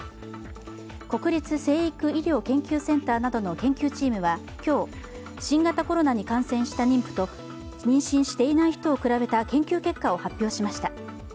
国立成育医療研究センターなどの研究チームは今日新型コロナに感染した妊婦と妊娠していない人を比べた研究結果を発表しました。